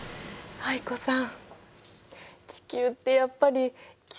藍子さん